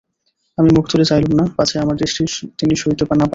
আমি মুখ তুলে চাইলুম না, পাছে আমার দৃষ্টি তিনি সইতে না পারেন।